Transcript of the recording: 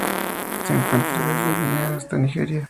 Se encuentra desde Guinea hasta Nigeria.